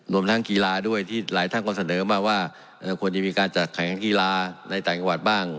รวมทางกีฬาด้วยที่หลายท่านก็เสนอมาว่าควรจะมีการจะแข่งกีฬาในแต่งกว่าบ้าง